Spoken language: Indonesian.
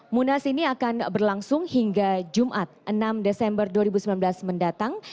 munas ini akan berlangsung hingga jumat enam desember dua ribu sembilan belas mendatang